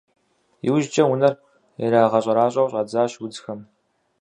Иужькӏэ унэр ирагъэщӏэращӏэу щӏадзащ удзхэм.